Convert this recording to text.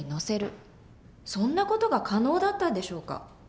そんな事が可能だったんでしょうか？